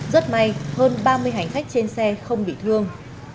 rất may hơn ba mươi hành khách trên xe không bị thương